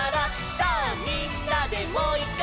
「さぁみんなでもういっかい」